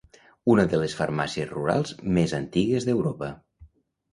una de les farmàcies rurals més antigues d'Europa